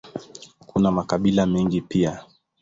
Kuna makabila mengine pia.